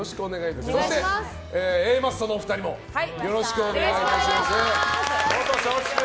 そして、Ａマッソのお二人もよろしくお願いいたします。